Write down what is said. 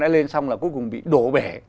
đã lên xong là cuối cùng bị đổ bể